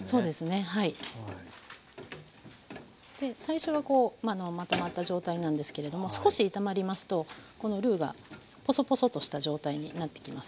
で最初はこうまとまった状態なんですけれども少し炒まりますとこのルーがポソポソとした状態になってきます。